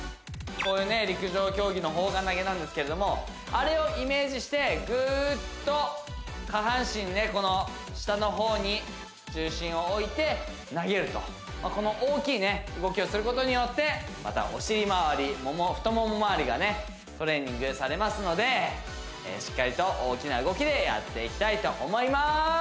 こういう陸上競技の砲丸投げなんですけれどもあれをイメージしてグッと下半身ねこの下の方に重心を置いて投げるとこの大きい動きをすることによってまたがトレーニングされますのでしっかりと大きな動きでやっていきたいと思いまーす